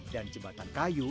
dan jembatan kayu